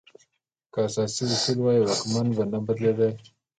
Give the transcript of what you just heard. که اساسي اصول وای، واکمن به نه بدلولای.